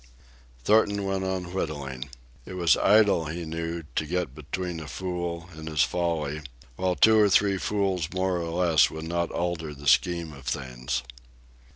Thornton went on whittling. It was idle, he knew, to get between a fool and his folly; while two or three fools more or less would not alter the scheme of things.